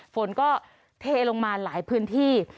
ฝนก็เทลงมาหลายพื้นที่